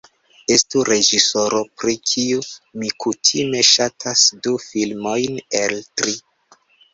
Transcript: Estu reĝisoro, pri kiu mi kutime ŝatas du filmojn el tri.